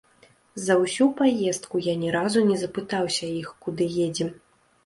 За ўсю паездку я ні разу не запытаўся іх, куды едзем.